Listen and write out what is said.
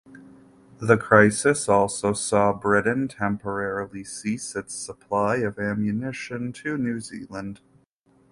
The crisis also saw Britain temporarily cease its supply of ammunition to New Zealand.